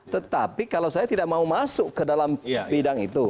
tetapi kalau saya tidak mau masuk ke dalam bidang itu